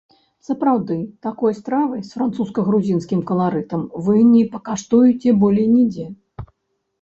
Сапраўды, такой стравы з французска-грузінскім каларытам вы не пакаштуеце болей нідзе.